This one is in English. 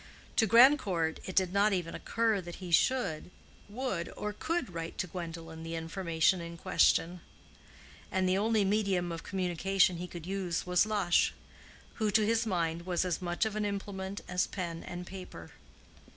To Grandcourt it did not even occur that he should, would, or could write to Gwendolen the information in question; and the only medium of communication he could use was Lush, who, to his mind, was as much of an implement as pen and paper.